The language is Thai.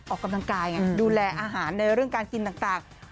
ออกกำลังกายไงดูแลอาหารในเรื่องการกินต่าง